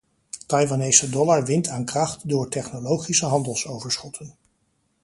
Taiwanese dollar wint aan kracht door technologische handelsoverschotten.